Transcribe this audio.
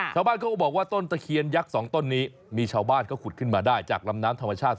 ชาวบ้านเขาก็บอกว่าต้นตะเคียนยักษ์สองต้นนี้มีชาวบ้านเขาขุดขึ้นมาได้จากลำน้ำธรรมชาติ